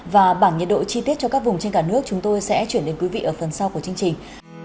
và bảng nhiệt độ chi tiết cho các vùng trên cả nước chúng tôi sẽ chuyển đến quý vị ở phần sau của chương trình